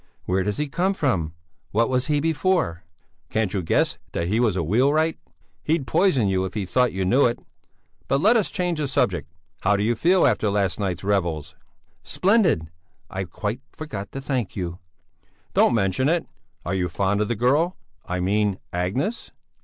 "Where does he come from? What was he before?" "Can't you guess that he was a wheelwright? He'd poison you if he thought you knew it. But let us change the subject; how do you feel after last night's revels?" "Splendid! I quite forgot to thank you!" "Don't mention it! Are you fond of the girl? I mean Agnes?"